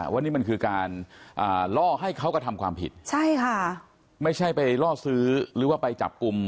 ว่านี่มันคือการล่อให้เขากระทำความผิดใช่ค่ะไม่ใช่ไปล่อซื้อหรือว่าไปจับกลุ่ม